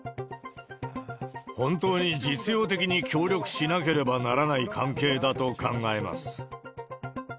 本当に実用的に協力しなければならない関係だと考えます。